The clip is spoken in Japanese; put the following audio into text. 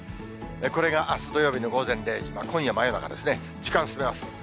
これがあすの夜の午前０時、今夜真夜中ですね、時間進めます。